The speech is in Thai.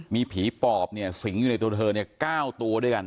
มีผีปอบเนี่ยสิงอยู่ในตัวเธอ๙ตัวด้วยกัน